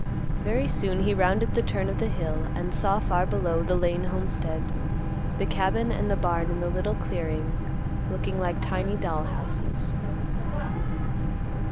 Very soon he rounded the turn of the hill, and saw far below the Lane homestead; the cabin and the barn in the little clearing looking like tiny doll houses.